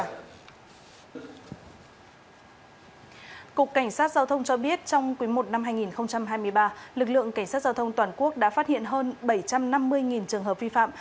cục cảnh sát giao thông cho biết trong quý i năm hai nghìn hai mươi ba lực lượng cảnh sát giao thông toàn quốc đã phát hiện hơn bảy trăm năm mươi trường hợp vi phạm